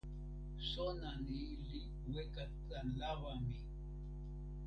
sona ni li weka tan lawa mi.